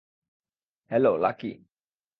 Hello, lucky.